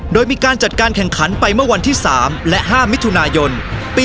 โดยมีการจัดการแข่งขันไปเมื่อวันที่๓และ๕มิถุนายน